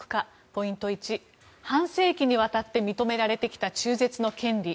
ポイント１半世紀にわたって認められてきた中絶の権利。